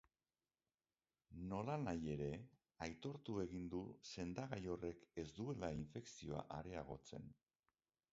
Nolanahi ere, aitortu egin du sendagai horrek ez duela infekzioa areagotzen.